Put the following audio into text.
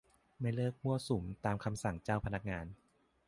ไม่เลิกมั่วสุมตามคำสั่งเจ้าพนักงาน